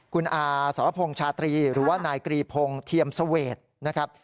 คุณอาสรพงศ์ชาตรีหรือว่านายกรีพงศ์เทียมเสวดนะครับ